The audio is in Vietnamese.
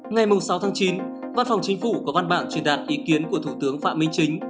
ngày sáu tháng chín văn phòng chính phủ có văn bản truyền đạt ý kiến của thủ tướng phạm minh chính